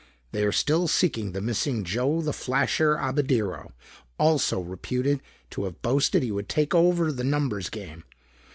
They are still seeking the missing Joe The Flasher Abadirro, also reputed to have boasted he would take over the numbers game.